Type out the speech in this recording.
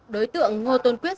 đối tượng ngô tôn quyết